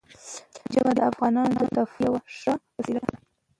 ژبې د افغانانو د تفریح یوه ښه وسیله ده.